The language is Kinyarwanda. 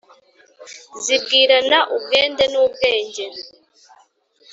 zibwirana ubwende n’ubwenge